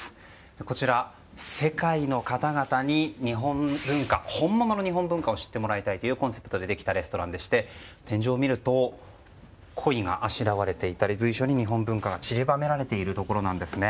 こちら、世界の方々に本物の日本文化を知ってもらいたいというコンセプトでできたレストランでして天井を見るとコイがあしらわれていたり随所に日本文化がちりばめられているところなんですね。